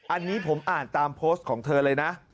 อันนี้ผมอ่านตามโพสต์ของเธอเลยนะ